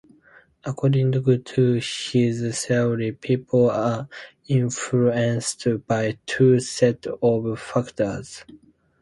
According to his theory, people are influenced by two sets of factors.